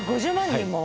人も！？